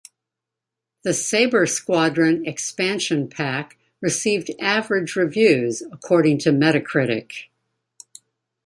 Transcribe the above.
The "Sabre Squadron" expansion pack received "average" reviews according to Metacritic.